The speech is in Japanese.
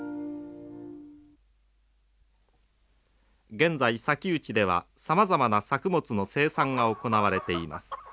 現在砂丘地ではさまざまな作物の生産が行われています。